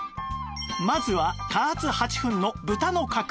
まずは加圧８分の豚の角煮